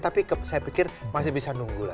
tapi saya pikir masih bisa nunggu lah